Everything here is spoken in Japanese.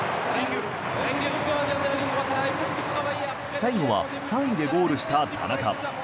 最後は３位でゴールした田中。